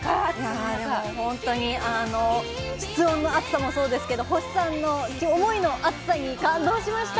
いやでも本当に室温の暑さもそうですけど星さんの思いの熱さに感動しました。